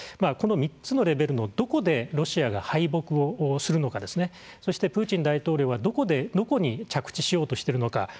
この３つのレベルのどこでロシアが敗北をするのかそしてプーチン大統領はどこに着地しようとしてるのか。